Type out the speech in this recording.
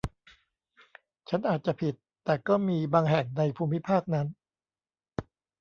ฉันอาจจะผิด แต่ก็มีบางแห่งในภูมิภาคนั้น